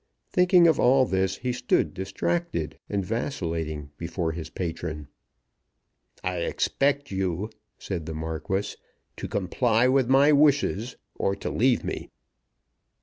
Thinking of all this he stood distracted and vacillating before his patron. "I expect you," said the Marquis, "to comply with my wishes, or to leave me."